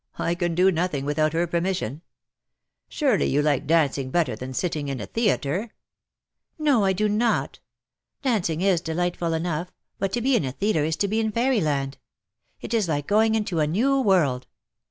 I can do nothing without her permission. Surely you like dancing better than sitting in a theatre ?" "No, I do not. Dancing is delightful enough — but to be in a theatre is to be in fairy land. It is like going into a new world.